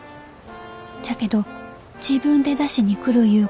じゃけど自分で出しに来るいう